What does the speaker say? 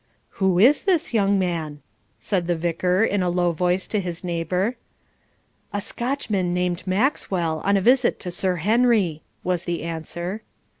'Who is this young man?' said the Vicar in a low voice to his neighbour. 'A Scotchman called Maxwell, on a visit to Sir Henry,' was the answer.